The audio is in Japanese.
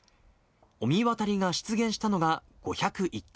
御神渡りが出現したのが５０１回。